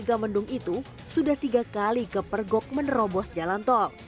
dan juga mendung itu sudah tiga kali kepergok menerobos jalan tol